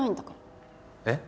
えっ？